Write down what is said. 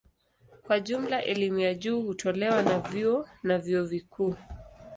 Kwa jumla elimu ya juu hutolewa na vyuo na vyuo vikuu.